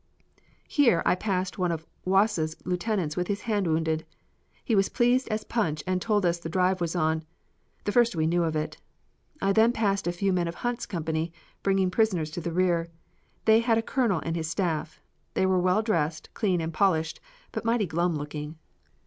Here I passed one of Wass' lieutenants with his hand wounded. He was pleased as Punch and told us the drive was on, the first we knew of it. I then passed a few men of Hunt's company, bringing prisoners to the rear. They had a colonel and his staff. They were well dressed, cleaned and polished, but mighty glum looking.